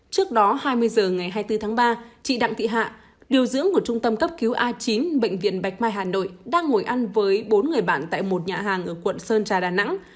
trước đó hai mươi h ngày hai mươi bốn tháng ba chị đặng thị hạ điều dưỡng của trung tâm cấp cứu a chín bệnh viện bạch mai hà nội đang ngồi ăn với bốn người bạn tại một nhà hàng ở quận sơn trà đà nẵng